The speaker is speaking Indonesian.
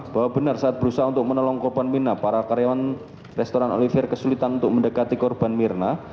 bahwa benar saat berusaha untuk menolong korban mirna para karyawan restoran olivier kesulitan untuk mendekati korban mirna